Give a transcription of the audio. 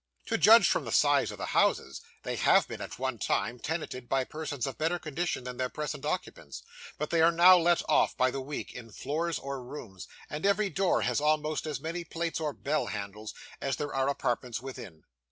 To judge from the size of the houses, they have been, at one time, tenanted by persons of better condition than their present occupants; but they are now let off, by the week, in floors or rooms, and every door has almost as many plates or bell handles as there are apartments within.